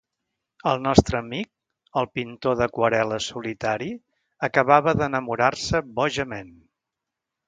El nostre amic, el pintor d'aquarel·les solitari, acabava d'enamorar-se, bojament.